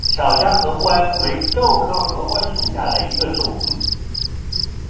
巧家合欢为豆科合欢属下的一个种。